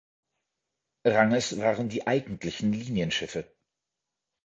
Ranges waren die eigentlichen Linienschiffe.